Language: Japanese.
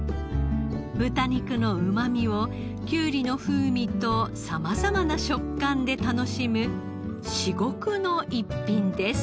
豚肉のうまみをきゅうりの風味と様々な食感で楽しむ至極の逸品です。